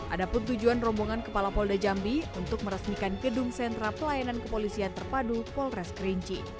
ada pun tujuan rombongan kepala polda cambi untuk meresmikan gedung sentra pelayanan kepolisian terpadu polres kerinci